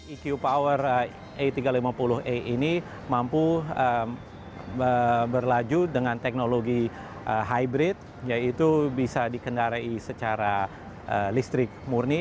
eq power a tiga ratus lima puluh e ini mampu berlaju dengan teknologi hybrid yaitu bisa dikendarai secara listrik murni